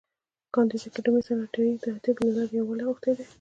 کانديد اکاډميسن عطایي د ادب له لارې یووالی غوښتی دی.